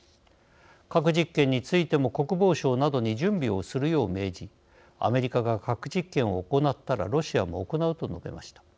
核実験についても国防省などに準備をするよう命じアメリカが核実験を行ったらロシアも行うと述べました。